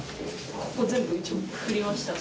ここ全部、一応ふりました。